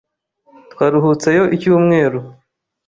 Twaruhutseyo icyumweru.